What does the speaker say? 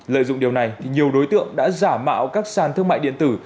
lợi dụng điều này thì nhiều đối tượng đã giả mạo các sàn thương mại điện tử